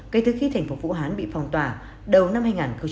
kể từ khi thành phố vũ hán bị phong tỏa đầu năm hai nghìn hai mươi